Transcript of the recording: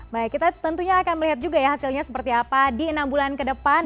baik kita tentunya akan melihat juga ya hasilnya seperti apa di enam bulan ke depan